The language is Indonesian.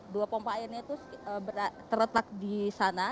dua pompa airnya itu terletak di sana